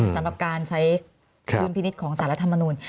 สำหรับการใช้ดุลพินิษฐ์ของสารรัฐมนูล